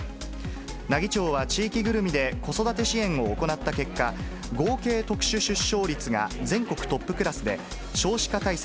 奈義町は地域ぐるみで子育て支援を行った結果、合計特殊出生率が全国トップクラスで、少子化対策